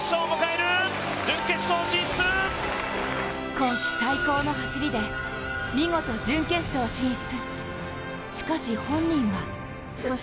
今季最高の走りで見事準決勝進出。